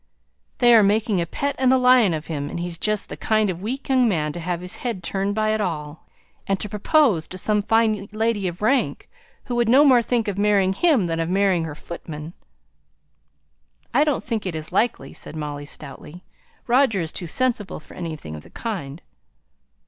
They are making a pet and a lion of him, and he's just the kind of weak young man to have his head turned by it all; and to propose to some fine lady of rank, who would no more think of marrying him than of marrying her footman." "I don't think it is likely," said Molly, stoutly. "Roger is too sensible for anything of the kind."